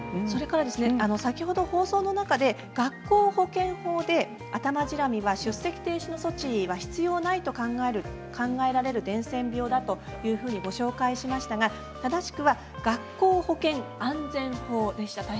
それから先ほど放送の中で学校保健法でアタマジラミは出席停止の措置は必要ないと考えられる伝染病だというふうにご紹介しましたが正しくは学校保健安全法でした。